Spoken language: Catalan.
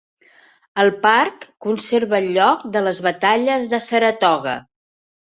El parc conserva el lloc de les Batalles de Saratoga.